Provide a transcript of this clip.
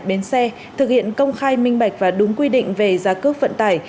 bến xe thực hiện công khai minh bạch và đúng quy định về giá cước vận tải